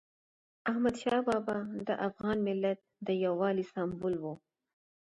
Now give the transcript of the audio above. احمدشاه بابا د افغان ملت د یووالي سمبول و.